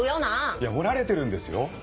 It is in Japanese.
いや折られてるんですよ